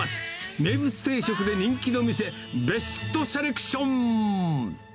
名物定食で人気の店ベストセレクション。